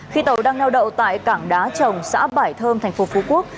khi tàu đang nheo đậu tại cảng đá trồng xã bảy thơm tp phú quốc